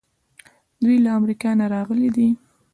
دوی له امریکا نه راغلي دي.